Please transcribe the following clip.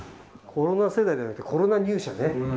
コロナ世代じゃなくて、コロナ入社。